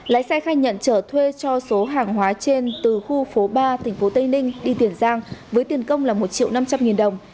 lái xe khai nhận chở thuê cho số hàng hóa trên từ khu phố ba tỉnh phố tây ninh đi tiền giang với tiền công là một triệu năm trăm linh đồng